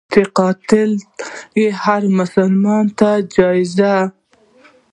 چي قتل یې هرمسلمان ته جایز.